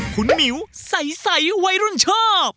คุณหมิวใสวัยรุ่นชอบ